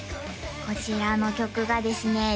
こちらの曲がですね